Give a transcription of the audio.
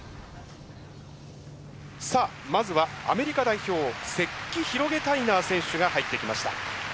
さあまずはアメリカ代表セッキ・ヒロゲタイナー選手が入ってきました。